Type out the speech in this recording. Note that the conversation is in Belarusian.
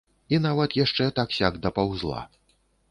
І нават яшчэ так-сяк дапаўзла.